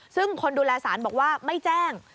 ซึ่งคนดูแลสารบอกว่าไม่แจ้ง